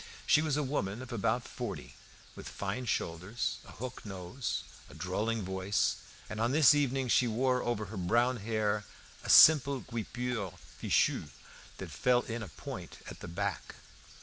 She was a woman of about forty, with fine shoulders, a hook nose, a drawling voice, and on this evening she wore over her brown hair a simple guipure fichu that fell in a point at the back.